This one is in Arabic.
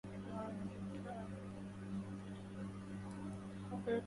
ذريني قسطنطين آكل شهوتي